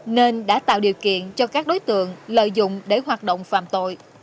nên đã tạo điều kiện cho các đối tượng lợi dụng để hoạt động phạm tội